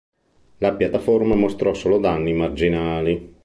La piattaforma mostrò solo danni marginali.